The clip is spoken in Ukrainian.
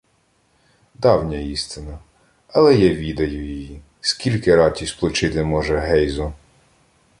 — Давня істина. Але я відаю її. Скільки раті сполчити може Гейзо?